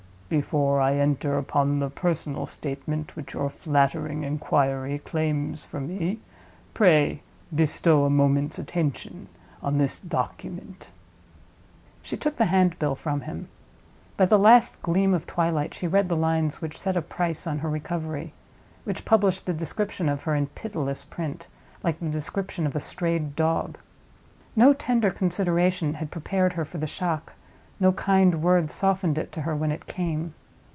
Before I enter upon the personal statement which your flattering inquiry claims from me, pray bestow a moment's attention on this Document." She took the handbill from him. By the last gleam of twilight she read the lines which set a price on her recovery—which published the description of her in pitiless print, like the description of a strayed dog. No tender consideration had prepared her for the shock, no kind word softened it to her when it came.